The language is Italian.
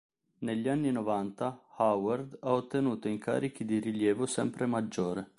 Negli anni novanta, Howard ha ottenuto incarichi di rilievo sempre maggiore.